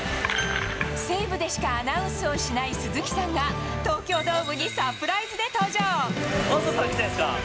西武でしかアナウンスをしない鈴木さんが、東京ドームにサプライズで登場。